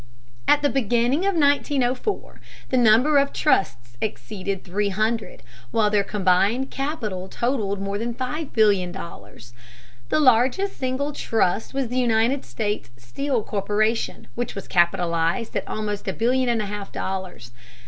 At the beginning of 1904 the number of trusts exceeded three hundred, while their combined capital totaled more than $5,000,000,000. The largest single trust was the United States Steel Corporation, which was capitalized at almost a billion and a half dollars.